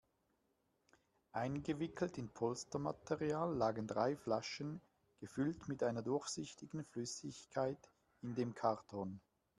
Eingewickelt in Polstermaterial lagen drei Flaschen, gefüllt mit einer durchsichtigen Flüssigkeit, in dem Karton.